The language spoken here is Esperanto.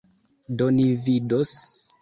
Do ni vidos.